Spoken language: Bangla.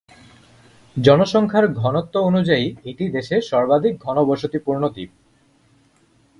জনসংখ্যার ঘনত্ব অনুযায়ী এটি দেশের সর্বাধিক ঘনবসতিপূর্ণ দ্বীপ।